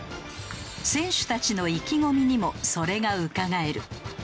選手たちの意気込みにもそれがうかがえる。